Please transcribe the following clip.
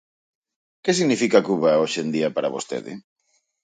Que significa Cuba hoxe en día para vostede?